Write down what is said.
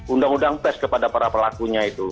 undang undang pers kepada para pelakunya